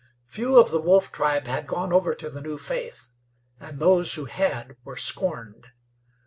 Few of the Wolf tribe had gone over to the new faith, and those who had were scorned.